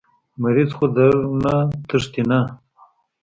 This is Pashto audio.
مريض خو درنه تښتي نه.